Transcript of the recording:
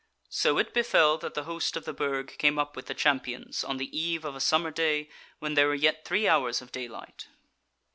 "So it befell that the host of the Burg came up with the Champions on the eve of a summer day when there were yet three hours of daylight.